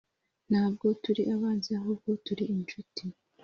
ntabwo turi abanzi, ahubwo turi inshuti.